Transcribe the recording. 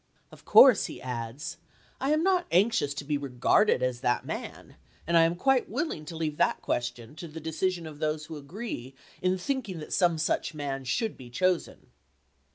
Of course, he adds, " I am not anxious to l^ov.^l; be regarded as that man ; and I am quite willing sciiuckers, to leave that question to the decision of those who ^.^J ,, agi'ee in thinking that some such man should be p *9*' chosen."